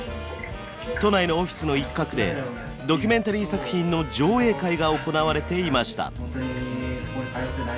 都内のオフィスの一角でドキュメンタリー作品の上映会が行われていました。